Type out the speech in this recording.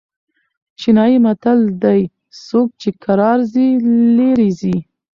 چینايي متل دئ: څوک چي کرار ځي؛ ليري ځي.